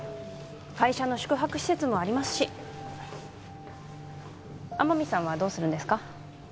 会社の宿泊施設もありますし天海さんはどうするんですか？